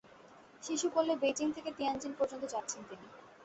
শিশু কোলে বেইজিং থেকে তিয়ানজিন পর্যন্ত যাচ্ছেন তিনি।